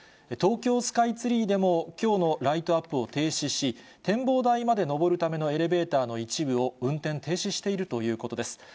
東京スカイツリーでも、きょうのライトアップを停止し、展望台までのぼるためのエレベーターの一部を運転停止しているということです。